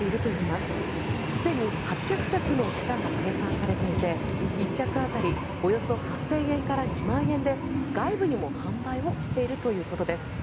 すでに８００着の袈裟が生産されていて１着当たりおよそ８０００円から２万円で外部にも販売をしているということです。